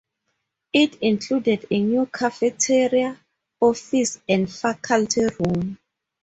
It included a new cafeteria, office and faculty room.